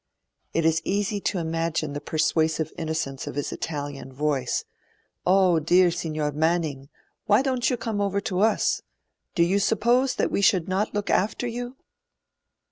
It is easy to imagine the persuasive innocence of his Italian voice. 'Ah, dear Signor Manning, why don't you come over to us? Do you suppose that we should not look after you?'